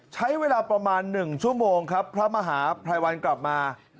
ใช้เวลาประมาณ๑ชั่วโมงครับพระมหาภัยวันกลับมา